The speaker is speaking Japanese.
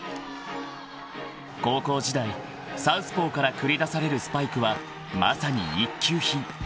［高校時代サウスポーから繰り出されるスパイクはまさに一級品］